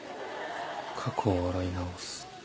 過去を洗い直す。